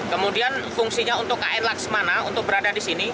kemudian fungsinya untuk kn laksmana untuk berada di sini